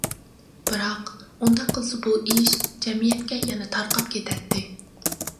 بىراق، ئۇنداق قىلسا بۇ ئىش جەمئىيەتكە يەنە تارقاپ كېتەتتى.